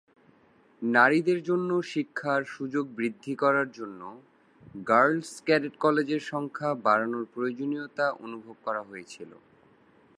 নারীদের জন্য শিক্ষার সুযোগ বৃদ্ধি করার জন্য গার্লস ক্যাডেট কলেজের সংখ্যা বাড়ানোর প্রয়োজনীয়তা অনুভব করা হয়েছিল।